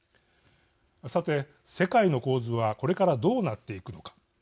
さて、世界の構図はこれからどうなっていくのか。